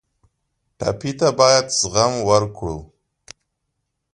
ټپي ته باید زغم ورکړو.